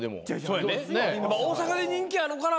大阪で人気あるから。